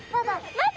待って！